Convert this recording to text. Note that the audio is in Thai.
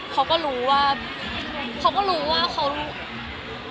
เขาก็รู้ว่าเขาก็รู้ว่าเขา